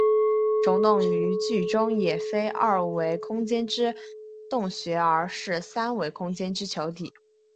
虫洞于剧中也非二维空间之洞穴而是三维空间之球体。